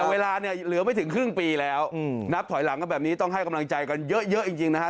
แต่เวลาเนี่ยเหลือไม่ถึงครึ่งปีแล้วนับถอยหลังกันแบบนี้ต้องให้กำลังใจกันเยอะจริงนะฮะ